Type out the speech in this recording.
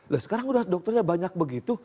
lah sekarang udah dokternya banyak begitu